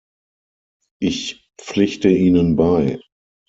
Ich pflichte Ihnen bei.